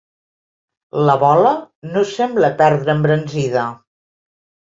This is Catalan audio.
La bola no sembla perdre embranzida.